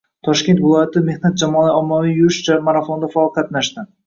Toshkent viloyati mehnat jamoalari ommaviy yurish marafonida faol qatnashdi